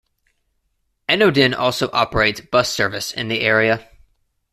Enoden also operates bus service in the area.